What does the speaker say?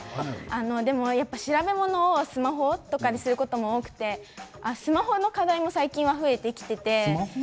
でも、やっぱり調べ物スマホにすることも多くてスマホの課題も最近増えてきていて。